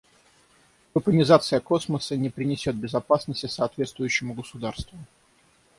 Вепонизация космоса не принесет безопасности соответствующему государству.